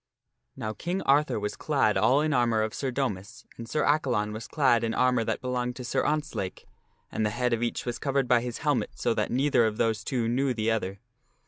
Now King Arthur was clad all in armor of Sir Domas, and Sir Accalon was clad in armor that belonged to Sir Ontzlake, and the head of each was covered by his helmet so that neither of those two knew the other.